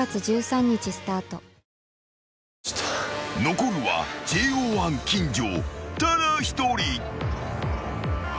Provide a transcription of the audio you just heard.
［残るはＪＯ１金城ただ一人］